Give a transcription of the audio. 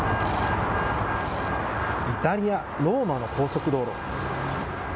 イタリア・ローマの高速道路。